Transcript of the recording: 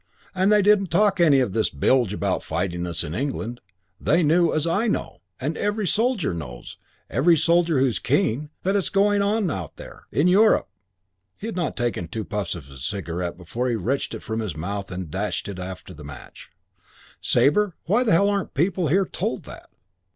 And they didn't talk any of this bilge about fighting us in England; they knew, as I know, and every soldier knows every soldier who's keen that it's going to be out there. In Europe." He had not taken two puffs at his cigarette before he wrenched it from his mouth and dashed it after the match. "Sabre, why the hell aren't people here told that?